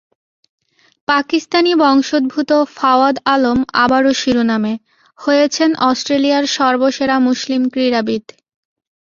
পাকিস্তানি বংশোদ্ভূত ফাওয়াদ আলম আবারও শিরোনামে, হয়েছেন অস্ট্রেলিয়ার বর্ষসেরা মুসলিম ক্রীড়াবিদ।